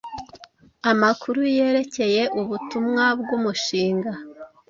Amakuru yerekeye ubutumwa bwumushinga